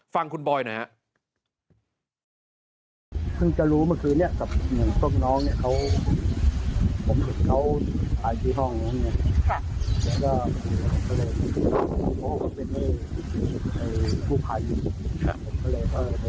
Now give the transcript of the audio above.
ฟังคุณบอยหน่อยครับ